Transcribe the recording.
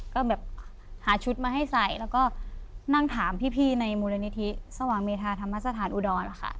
ก็แบบหาชุดมาให้ใส่แล้วก็นั่งถามพี่ในมูลนิธิสว่างเมธาธรรมสถานอุดรนะคะ